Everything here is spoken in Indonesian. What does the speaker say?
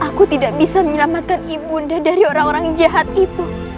aku tidak bisa menyelamatkan ibu anda dari orang orang jahat itu